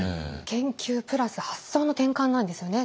研究プラス発想の転換なんですよね。